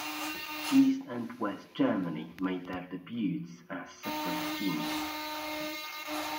East and West Germany made their debuts as separate teams.